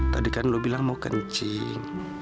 tadi kan lo bilang mau kencing